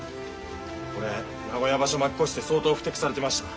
俺名古屋場所負け越して相当ふてくされてました。